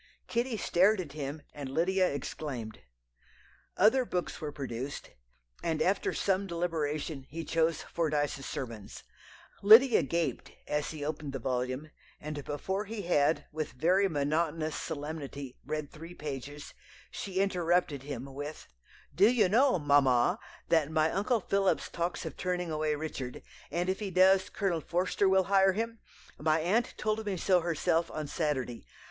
Kitty stared at him, and Lydia exclaimed. Other books were produced, and after some deliberation he chose Fordyce's Sermons. Lydia gaped as he opened the volume, and before he had, with very monotonous solemnity, read three pages she interrupted him with "'Do you know, mamma, that my Uncle Phillips talks of turning away Richard; and if he does, Colonel Forster will hire him? My aunt told me so herself on Saturday.